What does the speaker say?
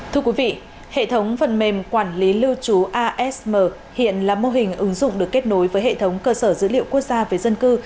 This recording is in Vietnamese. thưa quý vị hệ thống phần mềm quản lý lưu trú asm hiện là mô hình ứng dụng được kết nối với hệ thống cơ sở dữ liệu quốc gia về dân cư